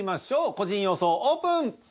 個人予想オープン！